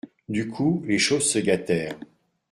Du coup, les choses se gâtèrent.